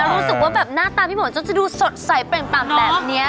รู้สึกว่าแบบหน้าตาพี่หมอจะดูสดใสเปล่งปร่ำแบบนี้